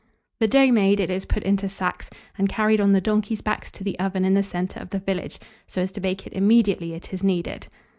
The dough made, it is put into sacks, and carried on the donkeys' backs to the oven in the centre of the village, so as to bake it immediately it is kneaded.